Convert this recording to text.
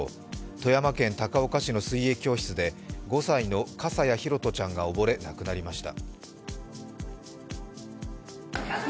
富山県高岡市の水泳教室で５歳の笠谷拓杜ちゃんが溺れ亡くなりました。